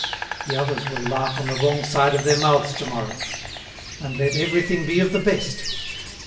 The others will laugh on the wrong side of their mouths to morrow. And let everything be of the best.